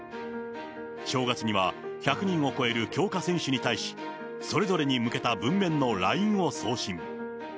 正月には、１００人を超える強化選手に対し、それぞれに向けた文面のラインを送信。